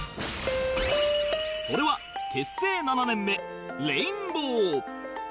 それは結成７年目レインボー